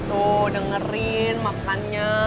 tuh dengerin makannya